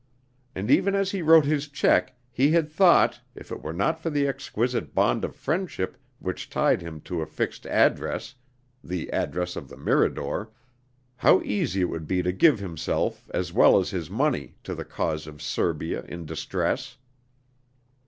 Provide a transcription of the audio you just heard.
And even as he wrote his check, he had thought, if it were not for the exquisite bond of friendship which tied him to a fixed address the address of the Mirador how easy it would be to give himself as well as his money, to the cause of Serbia in distress.